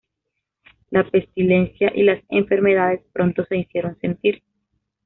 La pestilencia y las enfermedades pronto se hicieron sentir.